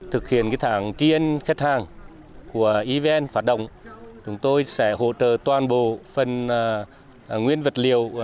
thực hiện tháng tiên khách hàng của evn phát động chúng tôi sẽ hỗ trợ toàn bộ phần nguyên vật liệu